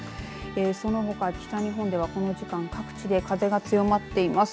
そのほか北日本ではこの時間各地で風が強まっています。